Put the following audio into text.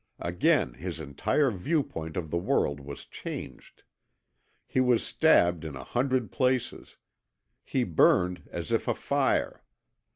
Again his entire viewpoint of the world was changed. He was stabbed in a hundred places. He burned as if afire.